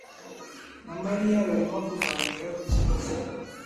na Mariya barimo kuganira ku kibazo.